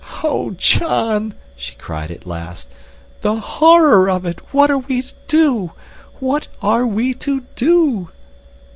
"Oh, John," she cried at last, "the horror of it. What are we to do? What are we to do?"